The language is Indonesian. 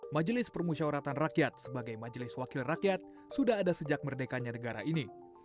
majelis permusyawaratan rakyat sebagai majelis wakil rakyat sudah ada sejak merdekanya negara ini